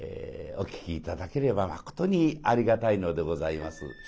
お聴き頂ければまことにありがたいのでございます。